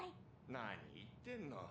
・何言ってんの。